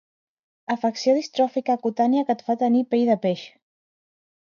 Afecció distròfica cutània que et fa tenir pell de peix.